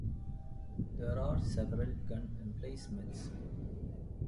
There are several gun emplacements.